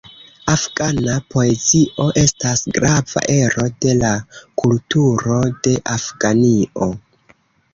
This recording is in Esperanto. Afgana poezio estas grava ero de la kulturo de Afganio.